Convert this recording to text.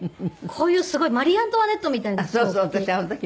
こういうすごいマリー・アントワネットみたいな服を着て。